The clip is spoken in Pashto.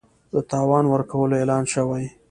د تاوان ورکولو اعلان شوی